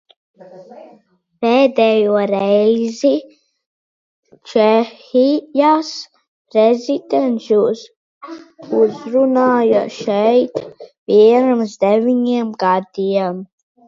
Pēdējo reizi Čehijas prezidents jūs uzrunāja šeit pirms deviņiem gadiem.